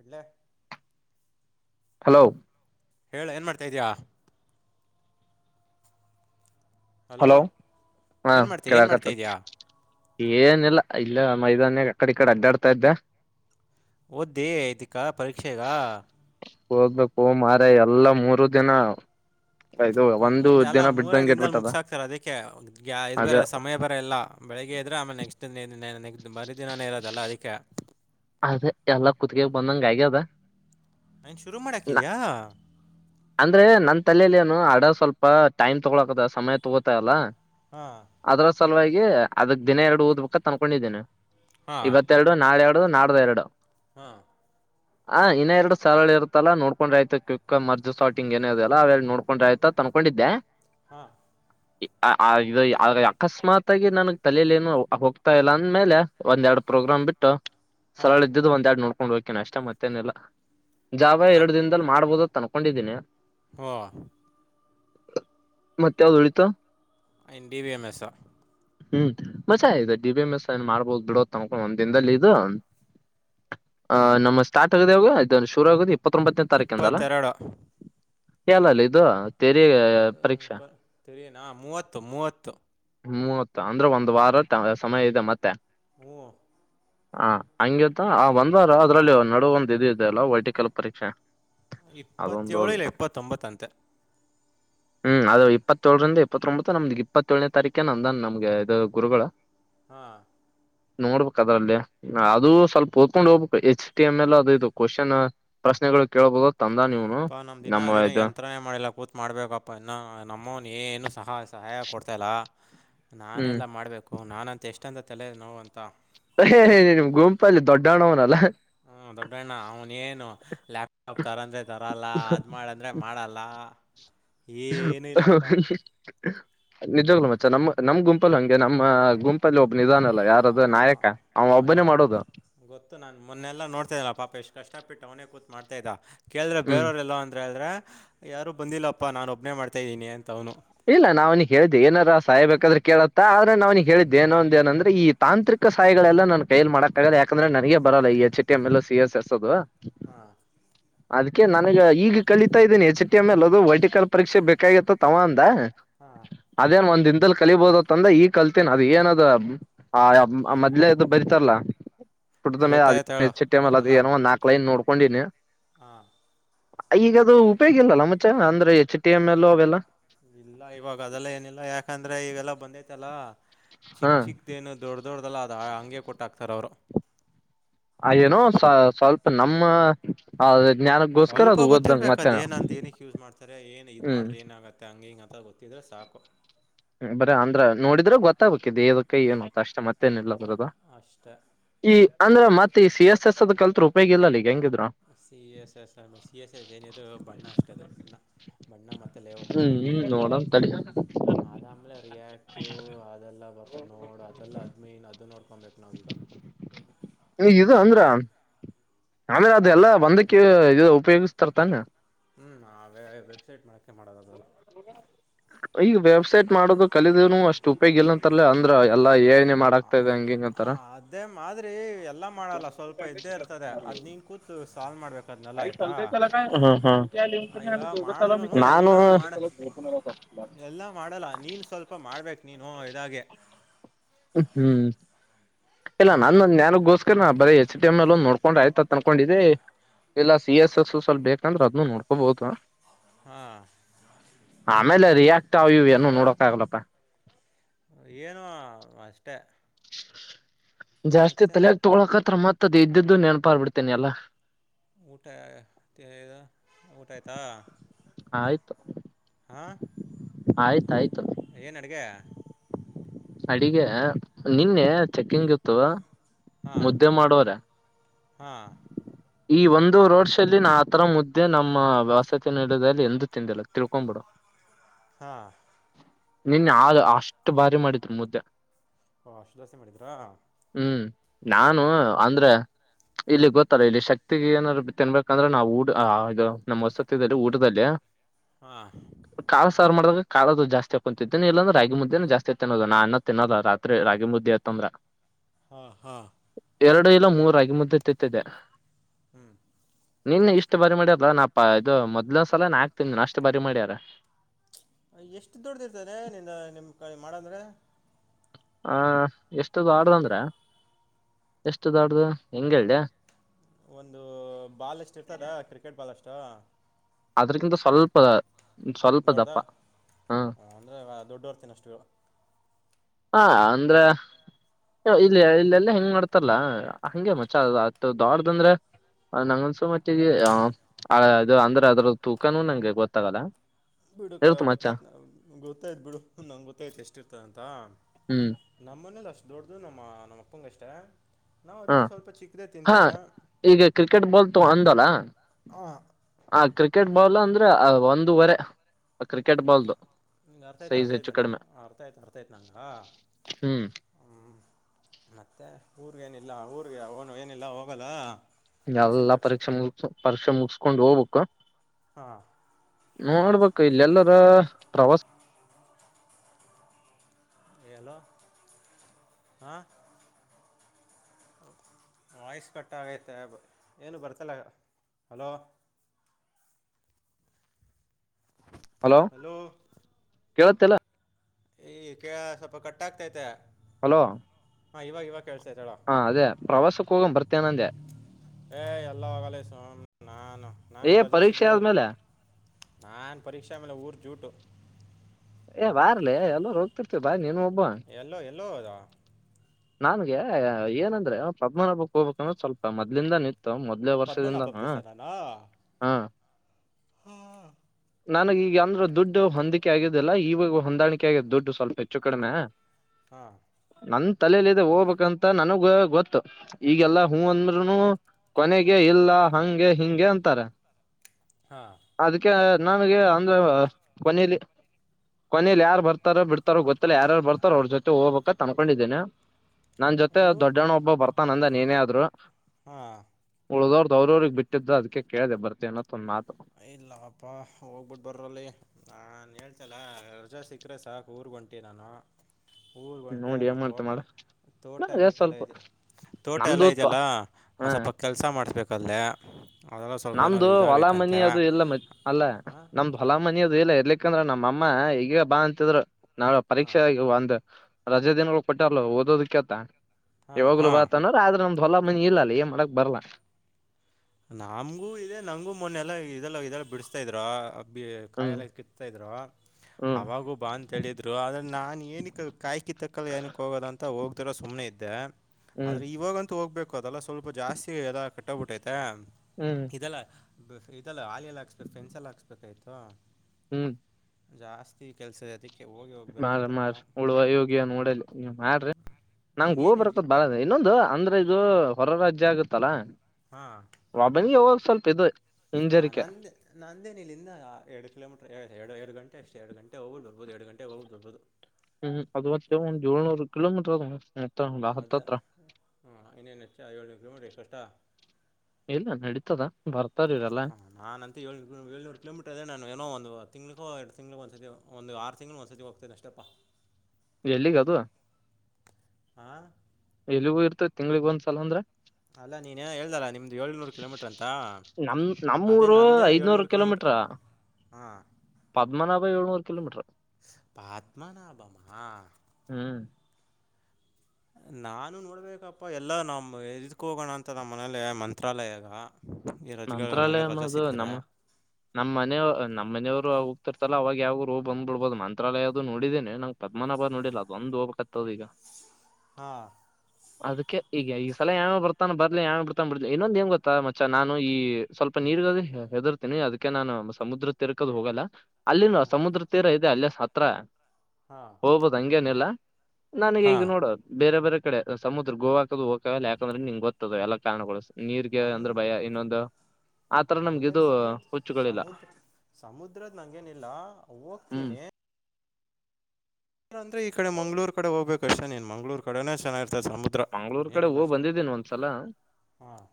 ಇಲ್ಲೇ. ಹಲೋ. ಹೇಳ ಏನ್ ಮಾಡತಾ ಇದಿಯ. ಹಲೋ ಹಾ ಏನು ಮಾಡ್ತೀಯ ಏನು ಕೇಳತ. ಮಾಡ್ತಾ ಇದೀಯಾ ಏನಿಲ್ಲಾ ಇಲ್ಲೆ ಮೈದಾನಗ ಅ ಕಡೆ ಈ ಕಡೆ ಅಡ್ಡಾಡ್ತಾ ಇದ್ದೆ. ಓದ್ದಿ ಐತಿಕ ಪರೀಕ್ಷೆಗ. ಓದ್ಬೇಕೋ ಮಾರಾಯ ಎಲ್ಲಾ ಮೂರು ದಿನ. ಅಲ್ಲ ಇದು ಒಂದು ದಿನ ಬಿಟ್ಟ್ದಂಗೆ ಇಟ್ಬಿಬಿಡ್ತದಾ. ಸರ್ ಅದಕ್ಕೆ ಇದು ಬೇರೆ ಸಮಯ ಬೇರೆ ಇಲ್ಲ ಬೆಳಗ್ಗೆ ಎದ್ರೆ ಆಮೇಲೆ ನೆಕ್ಸ್ಟ್ ನೇ ದಿನ. ಮರಿ ದಿನಾನೇ ಇರೋದೆಲ್ಲ ಅದಕ್ಕೆ. ಅದೇ ಎಲ್ಲ ಕುತ್ಗೆಗ್ ಬಂದಂಗ ಆಗದ. ಏನ್ ಶುರು ಮಾಡಾಕಿದ್ಯಾ. ತಲಲಿ ಏನು ಹ ಅಡ ಸ್ವಲ್ಪ ಟೈಮ್ ತಗೊಳಕದ ಸಮಯ ತಗೋತ ಅಲ್ಲಾ. ಹಾ. ಸಲುವಾಗಿ ಅದಕ್ ದಿನ ಎರಡು ಓದ್ ಬೇಕು ಅಂತ ಅನ್ನಕೊಂಡಿದ್ದೀನಿ. ಇವತ್ತೆರಡು ನಾಳೆರಡು. ನಡ್ದ ಎರಡು. ಹಾ ಹಾ ಇನ್ನ ಎರಡು ಸಾಲಲ್ ಇರುತ್ತಲ್ಲ ನೋಡ್ಕೊಂಡ್ರೆ ಆಯ್ತು ಕ್ವಿಕ ಮರ್ಜು ಸಾರ್ಟಿಂಗ್ ಏನೆ ಇದೆಲ್ಲ ಅವೆ ನೋಡ್ಕೊಂಡ್ರೆ ಆಯ್ತು ಅನ್ಕೊಂಡಿದ್ದೆ ಹಾ ಇ ಅ ಆ ಇರ್ ಲ್ ಅಕಸ್ಮಾತ್ ಆಗಿ ನನ್ಗ್ ತಲೇಲ್ ಏನು ಹೋಗ್ತಾ ಇಲ್ಲ ಅಂದ್ಮೇಲೆ ಒಂದ್ ಎರಡ್ ಪ್ರೋಗ್ರಾಮ್ ಬಿಟ್ಟು ಸರಳ್ ಹಾಂ ಇದ್ದಿದ್ದು ಒಂದೆರಡ್ ನೋಡ್ ಕೋಂಡ್ ಹೋಗ್ತಿನ್ ಅಷ್ಟೆ ಮತ್ತೇನಿಲ್ಲಾ ಜಾವ ಎರಡ್ ದಿನದಲ್ ಮಾಡ್ಬೋದ್ ಅನ್ಕೊಂಡಿದಿನಿ ಹೋ ಮತ್ತ್ ಯಾವ್ದ್ ಉಳಿತು ಇನ್ ಡಿ ಬಿ ಎಮ್ ಎಸ್ ಹ್ಮ್ ಮಚ್ಚಾ ಇದ್ ಡಿಬೆ ಮೆಸ್ ಏನ್ ಮಾಡ್ಬೋದು ಬಿಡೋತ್ನ್ಕೊಂಡ್ ಒಂದ್ ದಿನ್ದಲ್ಲಿ ಇದೂ ಆ ನಮ್ಮ ಸ್ಟಾರ್ಟ್ ಆಗದ್ [unintelligible] ಶುರು ಆಗುದ್ ಇಪ್ಪತ್ತೊಂಬತ್ತ್ನೇ ತಾರೀಕಿಂದಲ್ಲ ಇಪ್ಪತ್ತೆರಡು [unintelligible] ಇದು ತೆರಿ ಪರೀಕ್ಷಾ [unintelligible] ಮೂವತ್ತು ಮೂವತ್ತು ಮೂವತ್ತ ಅಂದ್ರೆ ಒಂದ್ ವಾರ ತ ಸಮಯ ಇದೆ ಮತ್ತೆ ಹ್ಮ್್ಮ್ಮ ಹಾ ಹಂಗ್ಗೆತ್ತ ಆ ಒಂದ್ ವಾರ ಅದ್ರಲ್ಲಿ ನಡುವ್ ಒಂದ್ ಇದ್ ಇದೆ ಅಲ್ಲಾ ವೈಟಿಕಲ್ ಪರೀಕ್ಷೆ ಅದೊಂದು ಇಪ್ಪತ್ಯೋಳು ಇಲ್ಲ ಇಪ್ಪತ್ತೊಂಬತ್ತಂತೆ ಹ್ಮ್ ಅದು ಇಪ್ಪತ್ತಏಳರಿಂದ ಇಪ್ಪತ್ತೊಂಬತ್ತು ನಮ್ದ ಇಪ್ಪತ್ತೊಳನೇ ತಾರೀಕೇನೆ ಅಂದನ್ ನಮ್ಗೆ ಇದು ಗುರುಗಳು. ಹಾ ನೋಡ್ಬೇಕದ್ರಲ್ಲಿ ಅದು ಸ್ವಲ್ಪ ಓದಕೊಂಡ್ ಹೋಗ್ಬೇಕು ಎಚ್ ಟಿ ಎಮ್ ಎಲ್ ಅದು ಇದು ಕ್ವಶ್ನ್ ಪ್ರಶ್ನೆಗಳು ಕೇಳಬಹುದು. ಪ್ಪಾ ನಮ್ದಿನ್ನ ಅದ್ಏನ್ ಯಂತ್ರನೇ ಮಾಡಿಲ್ಲ ಕೂತ್ ಮಾಡ್ಬೇಕಪ್ಪ ಇನ್ನಾ ನಮ್ಮೋನ್ ಏನು ಸಹಾಯ್ ಸಹಾಯ ಕೊಡ್ತಾಲ್ಲಾ ನಾನ್ ಹ್ಮ್ ಎಲ್ಲಾ ಮಾಡ್ಬೇಕು ನಾನಂತ್ ಎಷ್ಟ್ ತಂದೆ ತಲೆ ನೋವ್ ಅಂತಾ ಏ ನಿಮ್ ಗುಂಪಲ್ಲಿ ದೊಡ್ಡೋ [unintelligible] ಹ್ಮ್ ದೊಡ್ಡಣ್ಣ ಅವನ್ ಏನು ಲ್ಯಾಪ್ಟಾಪ್ ತರ್ ಅಂದ್ರೆ ತರಲ್ಲ ಅದ್ ಮಾಡಂದ್ರೆ ಮಾಡಲ್ಲಾ [unintelligible] ನಿಜೋಗ್ ಲು ಮಚ್ಚ ನಮ್ಮ್ ನಮ್ ಗುಂಪಲ್ಲ್ ಹಂಗೆ ನಮ್ಮಾ ಗುಂಪಲ್ಲಿ ಒಬ್ಬ್ ನಿಧಾನಲ್ಲ ಯಾರದು ನಾಯಕ ಹಾಂ ಅವ್ನ್ ಹಾಂ ಹೇಳ ಒಬ್ಬನೇ ಮಾಡೋದು ಷ್ಟಪಿಟ್ಟ್ ಅವನೇ ಕೂತ್ ಮಾಡ್ತೈದ ಕೇಳ್ದ್ರೆ ಹ್ಮ್ ಬೇರವ್ರ್ ಎಲ್ಲೋ ಅಂದ್ರ ಹೇಳ್ದ್ರ್ ಯಾರು ಬಂದಿಲ್ಲಪ್ಪಾ ನಾನನ್ ಒಬ್ಬ್ನೆ ಮಾಡ್ತಾ ಇದಿನಿ ಅಂತ ಅವ್ನೂ ಇಲ್ಲ ನಾವ್ ನಿಗ್ ಹೇಳ್ದೆ ಏನಾರಾ ಸಹಾಯ ಬೇಕಾದ್ರೆ ಕೇಳತ್ತಾ ಆದ್ರೆ ನಾನ್ ಅವ್ನ್ಗ್ ಹೇಳಿದಿದ್ದೆ ಏನು ಒಂದ್ ಏನಂದ್ರೆ ಈ ತಾಂತ್ರಿಕ ಸಾಹಾಯಗಳೆಲ್ಲ ನನ್ ಕೈಲಿ ಮಾಡಕ್ಕಾಗಲ್ಲ ಯಾಕಂದ್ರೆ ನನಗೆ ಬರಲ್ಲ ಈ ಎಚ್ ಟಿ ಎಂ ಎಲ್ಲಾ ಸಿ ಎಸ್ ಎಸ್ ದೂ ಹಾ ಅದ್ಕ್ಕೆ ನನ್ಗೆ ಈಗ ಕಲಿತಾ ಇದೀನಿ ಎಚ್ ಟಿ ಎಂ ಎಲ್ ಅದು ವೈಟಿಕಲ್ ಪರೀಕ್ಷೆಗ್ ಬೇಕಾಗಿತ್ತ್ ತವಾಂತ್ ಹಾಂ [inaudible] ಅದೇನ್ ಒಂದಿನ ಲ್ ಕಲಿಬೋದ ಅಂದ ಈಗ ಕಲ್ತೇನ್ ಅದ ಏನದ ಆ ಮದ್ಲೇದ ಬರಿತಾರಲ್ಲ ಕುಟ್ಟದ ಮೇಲೆ ಅದ ಗೊತ್ತಾಯ್ತ ಹೇಳು ಚಿಟ್ಟ ಮೇಲೆ ಅದ ಏನೋ ಒಂದ ನಾಲ್ಕ್ ಲೈ ನೋ ಪೊಂಡೆನ್ ಹ್ಮ ಈಗದು ಉಪಯೋಗಿಲ್ಲಲ್ಲ ಮುಚಾ ಅಂದ್ರೆ ಚಿ ಟಿ ಎಮ್ ಎಲ್ಲ ಅವೆಲ್ಲ ಇಲ್ಲ ಇವಾಗ ಅದೆಲ್ಲ ಏನಿಲ್ಲ ಯಾಕಂದ್ರೆ ಈವೆಲ್ಲಾ ಬಂದೈತಲ್ಲ ಹಾ ಚಿಕ್ ಚಿಕ್ ತನ ದೊಡ ದೊಡ್ದಲ್ಲ ಅ ಹಂಗೆ ಕೊಟ್ಟ ಹಕ್ತಾರೆ ಅವರು ಏನೋ ಸ್ವಲ್ಪ ನಮ್ಮ ಅ ಸ್ವಲ್ಪ ಗೊತ್ತಿರ್ಬೇಕದ್ ಏನ್ ಅಂತ ಏನಕ್ ಯೂಸ್ ಮಾಡ್ತಾರೆ ಏನ್ ಇದ್ ಮಾಡ್ದ್ ಹ್ಮ್ ಏನ್ ಆಗತ್ತೆ ಹಂಗ ಹಿಂಗ ಅಂತ ಗೊತ್ತಿದ್ರೆ ಸಾಕು ಬರಿ ಅಂದ್ರ ನೋಡಿದ್ರೆ ಗೊತ್ತಾಗಬೇಕಿದ್ ಏದಕ್ಕೆ ಏನ ಅಷ್ಟ ಮತ್ತೇನ ಇಲ್ಲ ದ ಅಷ್ಟೇ ಈ ಅಂದ್ರ ಮತ್ತ ಈ ಸಿ ಎಸ್ ಎಸ್ ಅದ ಕಲ್ತ್ ಉಪಯೋಗ ಇಲ್ಲ ಈಗ ಹೆಂಗದ್ರು C S S C S S ಏನಿದ್ರು ಬಣ್ಣ ಅಷ್ಟ ಅದು ಬಣ್ಣ ಬಣ್ಣ ಮತ್ತೆ ಲೇಔಟ್ ಅಷ್ಟೇ ಹ್ಮ್ ಅದೆಲ್ಲ ಹ್ಮ್ ನೋಡಮ ತಡಿ ಆಮಲೆ ರಿಯಾಕ್ಟ ಅದೆಲ್ಲ ಬರ್ತ ನೋಡು ಅದೆಲ್ಲ ಅದ್ಮೇನ್ ಅದು ನೋಡ್ ನೀ ಇದು ಅಂದ್ರ ಆಮೇಲೆ ಅದೆಲ್ಲಾ ಬಂದಕ್ಕೆ ಇ ಉಪಯೋಗಿಸತಾರತಾನ ಹ್ಮ್ ಅವೇ ವೆಬ್ಸೈಟ್ ಮಾಡಕೆ ಮಾಡೋದುದಲ್ಲ [inaudible] ಈಗ ವೆಬ್ಸೈಟ್ ಮಾಡುದು ಕಲಿದ ಅಷ್ಟ್ ಉಪಯೋಗ ಇಲ್ಲ ಅಂತಲ್ಲ ಅಂದ್ರ ಎಲ್ಲಾ ಏ ಏನ ಹಾಂ ಮಾಡಕ್ತಾದೆ ಹಂಗ ಹಿಂಗ್ ಅಂತರ ಅದೇ ಮಾದರಿ ಎಲ್ಲ ಮಾಡಲ್ಲ ಸ್ವಲ್ಪ ಇದ್ದೇ ಇರ್ತದೆ ಅದು ನೀನು [unintelligible] ಕೂತು ಸಾಲ್ವ್ ಮಾಡ್ಬೇಕು ಅದನ್ನೆಲ್ಲ ಆಯಿತಾ ಈಗ ಮಾಡಿದ್ರೂ ಎಲ್ಲ ನಾನು ಮಾಡ ಎಲ್ಲ ಮಾಡಲ್ಲ ನೀನ್ ಸ್ವಲ್ಪ ಮಾಡ್ಬೇಕು ನೀನುಯ ಇದಾಗೆ ಹ್ಮ್ ಇಲ್ಲ ಹಾಂ ನಂದ ಜ್ಞಾನಗೋಸ್ಕರ ನಾ ಬರೀ ಹೆಚ್ ಒ ನೋಡ್ಕೊಂಡು ಆಯ್ತತ್ ಅಂದನ್ಕೊಂಡಿದೆ ಎಲ್ಲಾ ಸಿ ಎಸ್ ಎಸ್ ಸ್ವಲ್ಪ ಬೇಕಂದ್ರೆ ಅದನ್ನು ನೋಡ್ಕೋಬಹುದು ನಾ ಹ್ಮ್ ಆಮೇಲೆ ರಿಯಾಕ್ಟ್ ಅವಿವ ಏನು ನೋಡಕ ಆಗ್ಲಪ್ಪ ಏನು ಅಷ್ಟೇ [inaudible] ಜಾಸ್ತಿ ಮತ್ತು ತಲೆಯಾಗ ತೊಗಳಕತ್ರ ಮತ್ ಮದ ಇದ್ದದ್ದು ನೆನಪಾರ್ ಬಿಡ್ತೇನೆ ಎಲ್ಲಾ ಊಟ ಊಟ ಆಯ್ತಾ ಆಯ್ತು ಆಯ್ತಯ್ತು ಏನು ಅಡುಗೆ ಅಡಿಗೆ ನಿನ್ನೆ ಚೆಕ್ಕಿಂಗ್ ಇತ್ತು ಮುದ್ದೆ ಮಾಡೋರ ಹಾ ಈ ಒಂದು ರೋಡ್ ಶೋಲ್ಲಿ ನಾ ಆತರ ಮುದ್ದೆ ನಮ್ಮ ವ್ಯವಸ್ಥತಿ ನೀಡಲ್ಲಿ ಎಂದ ತಿಂದಿಲ್ಲ ತಿಳ್ಕೊ್ ಬಿಿಡು ಹ್ಮ ನಿನ್ನೆ ಆ ಅಷ್ಟು ಭಾರಿ ಮಾಡಿದರು ಮುದ್ದೆ ಓ ಅಷ್ಟು ದೋಸೆ ಮಾಡಿದ್ರಾ ಹ್ಮ್ ನಾನು ಅಂದ್ರೆ ಇಲ್ಲಿ ಗೊತ್ತಲ್ಲ ಇಲ್ಲಿ ಶಕ್ತಿಗೆ ಏನಾದಾರ್ ತಿನ್ಬೇಕಂದ್ರೆ ನಾವು ಊಡ್ ಇದು ನಮ್ಮ್ ವಸತಿ ದಲ್ಲಿ ಊಟದಲ್ಲಿ ಹಾಂ ಹಾಂ ಕಾಳ ಸಾರ ಮಾಡದಾಗ ಕಾಳದು ಜಾಸ್ತಿ ಹಾಕೊಂತಿನ್ನತೆನಿ ಇಲ್ಲಂದೆ ರಾಗಿ ಮುದ್ದೇನು ಜಾಸ್ತಿ ತಿನ್ನೋದು ನಾ ಅನ್ನ ತಿನ್ನಲ್ಲ ರಾತ್ರಿ ರಾಗಿ ಮುದ್ದೆ ಇತ್ತಂದ್ರ ಹಾ ಹಾ ಇಲ್ಲ ಮೂರ ರಾಗಿ ಮುದ್ದೆ ದೆ ಹ್ಮ್ ನಿನ್ ಇಷ್ಟು ಬಾರಿ ಮಾಡ್ಯಾರಲ್ಲ ನಾ ಪ ಇದು ಮೊದ್ಲೊ ಸಲ ನಾಕ ತಿಂದೇನೀ ಅಷ್ಟು ಬಾರಿ ಮಾಡ್ಯಾರ ಎಷ್ಟು ದೊಡ್ಡ್ದ ಇರ್ತಾರೆ ನಿಂದ ನಿಮ್ ಕ ಮಾಡಂದ್ರೆ ಹ ಎಷ್ಟ್ದ್ ದೊಡ್ದಂದ್ರ ಎಷ್ಟ್ದ್ ದೊಡ್ದ ಹೆಂಗ ಹೇಳಿ ಒಂದು ಬಾಲ್ ಎಷ್ಟ ಇರ್ತದ ಕ್ರಿಕೆಟ್ ಬಾಲ್ ಅಷ್ಟ ತ್ತ ಅದ್ರಕ್ಕಿಂತ ಸ್ವಲ್ಪದ ದೊಡ್ಡದ ಅಂದ್ರೆ ದೊಡ್ಡವರ್ತೀನ ಅಷ್ಟು ಹ ಅಂದ್ರ ಇಲ್ಲಿ ಇಲ್ಲೆಲ್ಲಾ ಹೆಂಗ ಮಾಡ್ತಾರಲ್ಲ ಹಂಗೆ ಮಚ ಅ ದೊಡ್ದಂದ್ರೆ ನಂಗನ್ಸು ಮಟ್ಟಿಗೆ ಅದು ಅಂದ್ರೆ ಅದ್ರ ತೂಕನೂ ನಂಗೆ ಗೊತ್ತಾಗಲ್ಲ ಬಿಡು ಕ ಇರ್ತ್ ಮಚ್ಚ ಗೊತ್ತಾಯ್ತ್ ಗೊತ್ತಾಯ್ತ್ ಬಿಡು ನಂ ಗೊತ್ತಾಯ್ತ ಎಷ್ಟ ಇರ್ತದ ಅಂತ ಹ್ಮ್ ನಮ್ಮ ಮನೇಲಿ ಅಷ್ಟು ದೊಡ್ಡ್ದು ನಮ್ಮ ನಮ್ಮ ಅಪ್ಪಂಗ ಅಷ್ಟೇ ನಾವು ಹಾ ಅದರಿಂದ ಸ್ವಲ್ಪ ಚಿಕ್ಕದೇ ಹಾ ತಿಂತೀರಿ ಈಗ ಕ್ರಿಕೆಟ್ ಬೋಲ್ತು ಅಂದಲ ಹಾಂ ಆ ಕ್ರಿಕೆಟ್ ಬಾಲ್ ಅಂದ್ರೆ ಒಂದುವರೆ ಹ ಅರ್ಥ ಆಯ್ತ್ ಅರ್ಥಯತ್ ಹೆಚ್ಚು ಬೇ ನಂಗ ಕಡಿಮೆ ಅರ್ಥ ಆಯ್ತ ಅರ್ಥಯತ್ ನಂಗ ಹ್ಮ್ ಹ್ಮ ಮತ್ತೆ ಹ ಊ ಏನಿಲ್ಲ ಊರಿಗೆನು ಏನಿಲ್ಲ ಹೋಗಲ್ಲ ಮುಗಿಸಿದ ಎಲ್ಲಾ ತಕ್ಷಣ ಪರೀಕ್ಷೆ ಮುಗ ಪರೀಕ್ಷೆ ಮುಗ ಕಕೊಂಡ್ ಹೋಗಬೇಕು ಹಾ ನೋಡ್ಬೇಕು ಇಲ್ಲೆಲ್ಲರ ಪ್ರವಾಸ ಎಲೋ ಹಾಂ ವಾಯ್ಸ್ ಕಟ್ಟ ಆಗೈತೆ ಏನು ಬರ್ತಲ್ಲ ಹಲೋ ಹಲೋ ಕೇಳುತ್ತಿಲ್ಲ ಈಏ ಕೆ ಸ್ವಲ್ಪ ಕಟ್ಟಾಗಗ್ತೈತೆ ಹಲೋ ಹಾ ಇವಾಗ ಇವಾಗ ಹೇಳೋ ಹಾ ಅದೇ ಪ್ರವಾಸ ಹೋಗೊಬರ್ತೇನಂದೆ ಏ ಎಲ್ಲವಾಗಲ್ಲೇ ಸೋಮ ನಾನು ಏ ನಂಗ ರಜಾ ಪರೀಕ್ಷೆ ಸಿಕ್ರೆ ಆದ್ಮೇಲೆ ನಾನ್ ಪರೀಕ್ಷೆ ಮೇಲೆ ಊರ್ ಜೂಟು ಏ ಬಾರ್ಲಿ ಎಲ್ಲರರು ಹೋಗ್ತಿರ್ತೀವಿ ಬಾ ನೀನು ಒಬ್ಬ ಎಲ್ಲೋ ಹಲೋ ಅದಾ ನನ್ಗೆ ಏನಂದ್ರೆ ಪದ್ಮಾ ಹಬ್ಕ್ ಹೋಗಬೇಕಂದ್ ಸ್ವಲ್ಪ ಮೊದಲಿಂದ ನಿತ್ ಮೊದ್ಲೇ ಪದ್ಮನಾಭ ವರ್ಷದಿಂದಾನ ದೇಸಾನಾನಾ ಹಾ ಹಾಂ ನನಗೀಗ ಅಂದ್ರೂ ದುಡ್ಡು ಹೊಂದಿಕೆ ಆಗಿದ್ದಲ್ಲ ಈವಾಗ ಹೊಂದಾಣಿಕೆ ಆಗಿದೆ ದುಡ್ಡು ಸ್ವಲ್ಪ ಹೆಚ್ಚು ಕಡಿಮೆ ಹ್ಮ ಅಂ ತಲೆಯಲ್ಲದೆ ಹೋಗ್ಬೇಕಂತ ನನ್ ಗೊತ್ತು ಈಗೆಲ್ಲಾ ಹೂ ಅಂದ್ರರುನು ಕೊನೆಗೆ ಇಲ್ಲ ಹಂಗೆ ಹಿಂಗೆ ಅಂತಾರ ಹಾಂ ಅದಕ್ಕೆ ನನಗೆ ಅಂದ್ರೆ ಕೊನೇಲಿ ಕೊನೆಲಿ ಯಾರು ಬರ್ತಾರೋ ಬಿಡ್ತಾರೋ ಗೊತ್ತಲ್ಲ ಯಾರ್ಯಾರು ಬರ್ತಾರೋ ಅವ್ರ ಜೊತೆ ಹೋಗ್ಬೇಕ ತನ್ಕೊಂಡಿದ್ದೇನೆ ನನ್ ಜೊತೆ ಇವ್ರ ದೊಡ್ಡಣ್ಣ ಒಬ್ಬ ಬರ್ತಾ ನಂದ ಹೇನೇ ಆದರು ಹಾಂ ಉಳದವರ್ ತಾವ್ರುರೇಗಿ ಬಿಟ್ಟಿದ್ದು ಅದಕ್ಕೆ ಕೇಳಿದೆ ಬರ್ತೆ ಅನೋ ಇಲ್ಲ ಪಾ ಹೋಗ್ಬಿಟ್ಟ ಬರ್ರಲೆ ನನ್ ಹೇಳ್ತಲ್ಲ ಇಲ್ಲ ರಜಾ ಸಿಕ್ರೆ ಸಾಕ್ ಊರು ಒಂಟಿ ನಾನು ಊರ್ ಒಂಟೆ ನೋಡಿ ಅಲ್ಲಿ ಏನ್ ಮಾಡ್ತ ತೋಟ ಮಾಡ ತೋಟ ನನಗೆ ಗೀಟ ಎಲ್ಲ ಸ್ವಲ್ಪ ಇದೆ ತೋಟ ಎಲ್ಲ ನಮ್ದು ಇದೆಯಲ್ಲ ಹ ಸ್ವಲ್ಪ ಕೆಲ್ಸ ಮಾಡಸ್ಬೇಕು ಕಲ್ಯಾ ಅದೆಲ್ಲ ಸ್ವಲ್ಪಏನೋ ಇದಾಗ್ಯಾಂತೆ ಇನಾಡಿಬಲ್ ಅ ಎಲ್ಲ ಅಲ್ಲ ನಮ್ದ್ ಹೊಲ ಮನಿ ಅದು ಎಲ್ಲ ಇರ್ಲಿ ಯಾಕಂದ್ರ ನಮ್ಮ ಅಮ್ಮ ಈಗ ಬಾ ಅಂತಿದ್ರು ನಾ ಹಾಂ ಪರೀಕ್ಷೆ ಒಂದು ರಜೆ ದಿನ ಕೊಟ್ಟಲ್ಲ ಓದೋದಕ್ಕೆತ ಹಾಂ ಇವಾಗ್ಲೂ ಬಾತ ಹಾಂ ಅನೋ ಆದ್ರು ಹೊಲ ಮನಿ ಇಲ್ಲ ಅಲ್ಲ ಏನ್ ಮಾಡಕ್ ಬರ್ಲ್ಲ ನಮಗೂ ಇದೆ ನಂಗೂ ಮೊನ್ನೆಲ್ಲಾ ಇದೆಲ್ಲ ಇದೆಲ್ಲ ಬಿಡಿಸತಾ ಇದ್ರ ಹ್ಮ್ ಕಾಯಲ್ಲ ಕಿತ್ತತಾ ಇದ್ರು ಹ್ಮ್ ಅವಾಗೂ ಬಾ ಅಂತ ಹೇಳಿದ್ರು ಆದ್ರೆ ನಾನು ಏನಕ್ಕೆ ಕಾಯಿ ಕಿತ್ತಕ್ಕಲ್ಲ ಏನಕ್ಕೆ ಹೋಗೋದಂತ ಹೋಗ ಸುಮ್ಮನೆ ಇದ್ದೆ ಹ್ಮ್ ಆದ್ರೆ ಇವಾಗಂತೂ ಹೋಗ್ಬೇಕು ಅದೆಲ್ಲ ಸ್ವಲ್ಪ ಜಾಸ್ತಿ ಎಲ್ಲ ಕಟ್ಟಬಿಟ್ಟೈತಿ ಹ್ಮ್ [unintelligible] ಇದಲ್ಲ [unintelligible] ಆಯಲ್ ಹಾಕಿ ಪೆನ್ಸಿಲ್ ಹಾಕ್ಬೇಕಿತ್ತು ಹಾ ಹ್ಮ್ ಜಾಸ್ತಿ ಕೆಲಸದ ಅದಕ್ಕೆ ಹೋಗಿ ಮಾಡ್ರಿ ಹೋಗ್ಬೇಕಂತ ಮಾಡ್ರಿ ನಾವು ಉಳುವ ಯೋಗಿಯ ನೋಡಲಿ ನೀವು ಮಾಡ್ರಿ ನಂಗ ಹೋಗ್ ಇನ್ನೇನು ಜಿ ಬರ್ಕೋದ ಬಾ ಇನ್ನೊಂದು ಅಂದ್ರೆ ಇದು ಹೊರ ರಾಜ್ಯ ಆಗುತ್ತಲ್ಲಾ ಒಬ್ಬನಿಗೆ ಹೋಗೋಕ್ಕೆ ಸ್ವಲ್ಪ [unintelligible] ಹಾ ಹಿಂಜರಿಕೆ ನೇ ನಂದೇನ ಇಲ್ಲಿಂದ ಎರಡು ಕಿಲೋಮೀಟರ್ ಎರಡು ಎರಡು ಗಂಟೆ ಅಷ್ಟ ಎರಡು ಗಂಟೆ ಹೋಗ್ ಬರ್ಬೋದು ಎರಡು ಗಂಟೆ ಹೋಗ್ ಬರ್ಬೋದು ಹ್ಮ್ ಅದ ಮತ್ತ ಒಂದ್ ಏಳ್ನೂರು ಕಿಲೋಮೀಟರ್ ಹೋಗಾನ ಹಾ ಅದೇ ಹ್ಮ ಇನ್ನೇನ್ ಹೆಚ್ಚ ಏಳ್ನೂರು ಕಿಲೋಮೀಟರ್ ಕಷ್ಟ ಇಲ್ಲ ನಡೀತದ ಬರ್ತಾರ ಇವ್ರೆಲ್ಲ [inaudible] ಹಾ ನಾನಂತೂ ಏಳ್ ಏಳ್ನೂರು ಕಿಲೋಮೀಟರ್ ಅದ ನಾನ ಏನೋ ಒಂದು ಒಂದು ತಿಂಗಳಿಗೋ ಎರಡು ತಿಂಳಗ ಒಂದು ಸತಿ ಒಂದು ಆರು ತಿಂಗಳಿಗೆ ಒಂದು ಸತಿ ಹೋಗ್ತನಿ ಅಷ್ಟಪ್ಪ ಎಲ್ಲಿಗದು ಹಾ ಎಲ್ಲಿಗೂ ಹೋಗಿರತೈತಿ ತಿಂಗಳಿಗೆ ಒಂದ ಸಲ ಅಂದ್ರ ಅಲ್ಲ ನೀನೇನ ಹೇಳ್ದಲ್ಲ ನಿಮ್ದು ಏಳ್ನೂರು ಕಿಲೋಮೀಟ್ರ ಅಂತ ನಮ್ ಅದೇ ನಮ್ಮೂರು ನಂದೇನು ಐದ್ನೂರ್ ಏಳ್ನೂರು ಕಿಲೋಮೀಟ್ರ [inaudible] ಹಾ ಕಿಲೋಮೀಟರ್ ಪದ್ಮನಾಭಾಮ ಹ್ಮ್ ನಾನು ನೋಡ್ಬೇಕಪ್ಪ ಎಲ್ಲಾ ನಮ್ಮ್ ಇದಕ್ಕ ಹೋಗೋಣ ಅಂತ ನಮ್ಮ ಮನೇಲಿ ಮಂತ್ರಾಲಯಾಗ ಈ ರಜೆಗಳು ನನಗೆ ರಜೆ ಮಂತ್ರಾಲಯದು ಸಿಕ್ಕಿದ್ರೆ ನಮ್ ನಮ್ಮ್ ಮನ ನಮ್ಮನೆಯವ್ರು ಹೋಗ್ತಾರೆ ಅವಾಗ ಯಾವಾಗ ಬಂದು ಬಿಡ್ಬೋದು ಮಂತ್ರಾಲಯ ಅದು ನೋಡಿದೇನೆ ನಂಗ್ ಪದ್ಮಮನಾಭ ನೋಡಿಲ್ಲ ಅದೊಂದು ಹೋಗಾಕತದ ಈಗ ಹಾ ಅದಕ್ಕೆ ಈಗ ಈ ಸಲ ಯಾವೇ ಬರ್ತಾನ್ ಬರ್ಲಿ ಯಾವ ಬಿಡ್ಲಿ ಬಿರ್ತಾನ ಬಿಡ್ಲಿ ಇನ್ನೊಂದ ಏನು ಗೊತ್ತ ಮಚ್ಚಾ ನಾನು ಈ ಸ್ವಲ್ಪ ನೀರ್ ಹೆದರ್ತೀನಿ ಅದಕ್ಕೆ ನಾನು ಸಮುದ್ರ ತೀರಕ್ಕೆಹೋಗಲ್ಲ ಅಲ್ಲಿನ ಸಮುದ್ರ ತೀರ ಅದೆ ಅಲ್ಲೇ ಸತ್ರ ಹಾಂ ಹೋಗಬೋದ ಹಂಗೆನಿಲ್ಲಾ ನನಿಗೆ ಈಗ ಹಾಂ ನೋಡೋ ಬೇರೆ ಬೇರೆ ಈ ಕಡೆ ಸಮುದ್ರ ಗೋವಾ ಹಾಕೋ ಹೋಗಲ್ಲ ಯಾಕಂದ್ರೆ ನಿಂಗ್ ಗೊತ್ತದದೆ ಎಲ್ಲ ಕಾರಣಗಳು ನೀರ್ಗೆ ಅಂದ್ರೆ ಭಯ ದ ನಂಗೇನ್ ಸಮುದ್ರ ಸಮುದ್ರ ಸಮುದ್ರದ ನಂಗೇನಿಲ್ಲಾ ಹ್ಮ್ ಹೋಗ್ತೀನಿ ಇಲ್ಲ ಅಂದ್ರ ಈ ಕಡೆ ಮಂಗಳೂರು ಕಡೆ ಹೋಗ್ಬೇಕು ಕಷ್ಣನ್ ಮಂಗಳೂರು ಕಡೆ ಚೆನ್ನಾಗಿರತ್ತೆ ಮಂಗಳೂರ ಕಡೆ ಹೋಗ್ ಬಂದಿದ್ದೇನ್ ಒಂದ್ಸಲ ಹಾಂ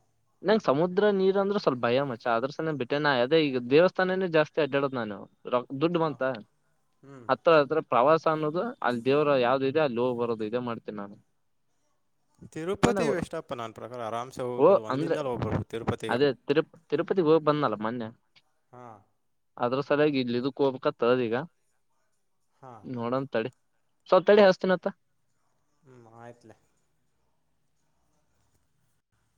ನಂಗ ಸಮುದ್ರ ನೀರು ಅಂದ್ರೆ ಸ್ವಲ್ಪ ಭಯ ಮಚ್ಚ ಆದ್ರ ಸನ ಬ ಬಿಟ್ಟೇನ ಅದೇ ಈಗ ದೇವಸ್ಥಾನೇ ಜಾಸ್ತಿ ಅಡ್ಡದ ನಾನು ರ ದುಡ್ಡು ಹಾಂ ಬಂತ ಹ್ಞೂ ಹತ್ರ ಹತ್ರ ಪ್ರವಾಸ ಅನ್ನೋದು ಅಲ್ಲಿ ದೇವರ ಯಾವ್ದು ಇದೆ ಅಲ್ಲಿ ಹೋಗ್ ಬರೋದು ಇದೆ ಮಾಡ್ತೇನಿ ನಾನು ನನ್ನ ತಿರುಪತಿ ಬೆಸ್ಟಪ್ಪ ನನ್ನ ಪ್ರಕಾರ ಆರಾಮ್ಸೆ ಓ ಹೋಗ್ಬಿಡ್ಬೋದು ಅಂದ್ರೆ ಒಂದಿನದಲ್ಲಿ ಹೋಗ್ಬಿಡ್ಬೋದು ತಿರುಪತಿಗ ಅದೇ ತಿರು ತಿರುಪತಿಗೆ ಹೋಗಿ ಬಂದಲ್ಲ ಮೊನ್ನೆ ಹಾಂ ಅದ್ರ ಸರಿಯಾಗಿ ಇಲಿ ಇದ ಕೋಬಕ್ತ್ತದದ ಈಗ ಹಾಂ ನೋಡನ ತಡಿ ಸ್ವಲ್ಪ ತಡಿ ಹಚ್ಚತನಂತ ಹ್ಮ ಆಯ್ತ್ಲೆ